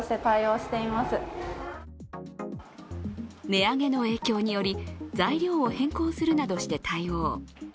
値上げの影響により材料を変更するなどして対応。